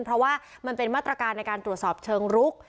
เพราะว่ามันเป็นมาตรการในการตรวจสอบเชิงรุก